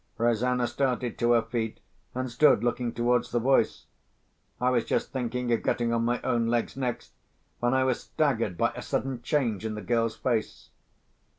Rosanna started to her feet, and stood looking towards the voice. I was just thinking of getting on my own legs next, when I was staggered by a sudden change in the girl's face.